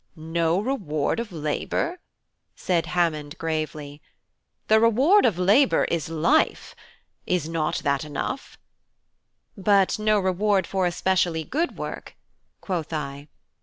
"No reward of labour?" said Hammond, gravely. "The reward of labour is life. Is that not enough?" "But no reward for especially good work," quoth I.